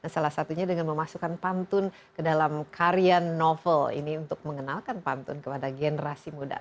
salah satunya dengan memasukkan pantun ke dalam karya novel ini untuk mengenalkan pantun kepada generasi muda